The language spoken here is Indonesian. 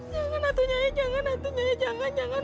jangan atuh nyai jangan atuh nyai jangan jangan